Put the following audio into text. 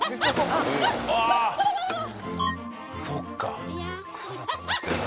そっか草だと思ってんだ。